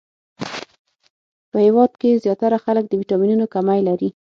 په هیواد کښی ځیاتره خلک د ويټامنونو کمې لری